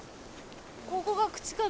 ここが口かな？